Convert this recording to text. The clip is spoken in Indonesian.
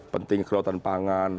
pentingnya kedokteran pangan